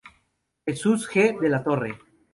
Jesús G. de la Torre.